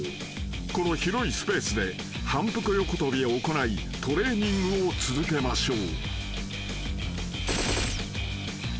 ［この広いスペースで反復横跳びを行いトレーニングを続けましょう］